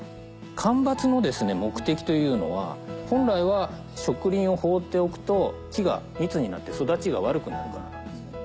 間伐の目的というのは本来は植林を放っておくと木が密になって育ちが悪くなるからなんですね。